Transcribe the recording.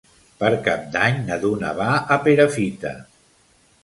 Per Cap d'Any na Duna va a Perafita.